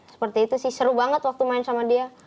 seperti itu sih seru banget waktu main sama dia